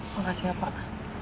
makasih ya pak